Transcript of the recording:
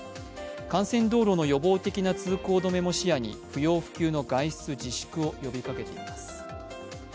幹線道路の予防的な通行止めも視野に不要不急の外出自粛を呼びかけています。